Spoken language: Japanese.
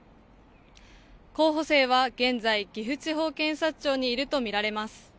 候補生は現在岐阜地方検察庁にいるとみられます。